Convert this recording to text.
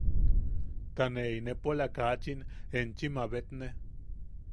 Ta ne inepola kachin enchi mabetne.